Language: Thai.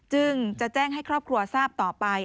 จึงจะแจ้งให้ครอบครัวทราบต่อไป